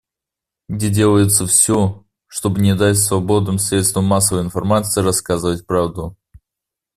Где делается все, чтобы не дать свободным средствам массовой информации рассказать правду.